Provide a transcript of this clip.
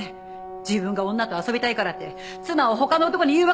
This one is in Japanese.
自分が女と遊びたいからって妻を他の男に誘惑させるなんて！